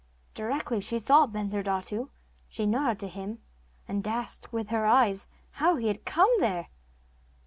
Directly she saw Bensurdatu she nodded to him, and asked with her eyes how he had come there.